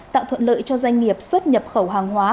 tạo thuận lợi cho doanh nghiệp xuất nhập khẩu